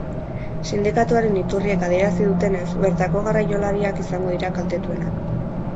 Sindikatuaren iturriek adierazi dutenez, bertako garraiolariak izango dira kaltetuenak.